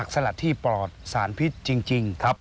สารพิษจริงครับ